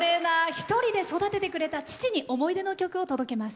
１人で育ててくれた父に思い出の曲を届けます。